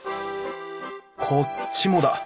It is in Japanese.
こっちもだ。